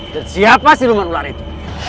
dan siapa siluman ular itu